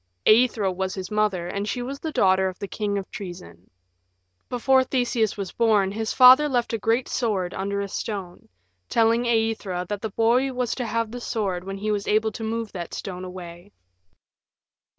Aethra was his mother, and she was the daughter of the King of Troezen. Before Theseus was born his father left a great sword under a stone, telling Aethra that the boy was to have the sword when he was able to move that stone away.